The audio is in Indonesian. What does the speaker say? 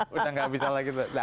sudah tidak bisa lagi